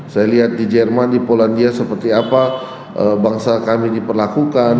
saya lihat di jerman di polandia seperti apa bangsa kami diperlakukan